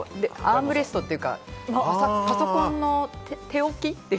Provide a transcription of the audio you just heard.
アームレストというかパソコンの手置き。